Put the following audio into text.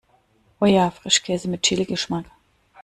Oh ja, Frischkäse mit Chili-Geschmack!